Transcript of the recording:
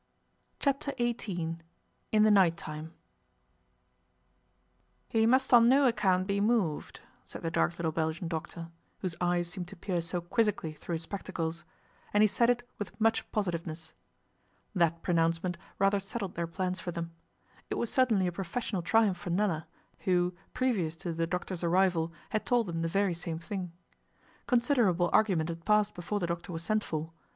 Chapter Eighteen IN THE NIGHT TIME 'HE must on no account be moved,' said the dark little Belgian doctor, whose eyes seemed to peer so quizzically through his spectacles; and he said it with much positiveness. That pronouncement rather settled their plans for them. It was certainly a professional triumph for Nella, who, previous to the doctor's arrival, had told them the very same thing. Considerable argument had passed before the doctor was sent for.